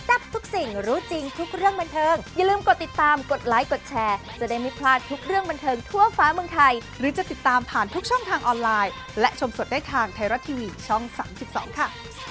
ทุกสิ่งรู้จริงทุกเรื่องบันเทิงอย่าลืมกดติดตามกดไลค์กดแชร์จะได้ไม่พลาดทุกเรื่องบันเทิงทั่วฟ้าเมืองไทยหรือจะติดตามผ่านทุกช่องทางออนไลน์และชมสดได้ทางไทยรัฐทีวีช่อง๓๒ค่ะ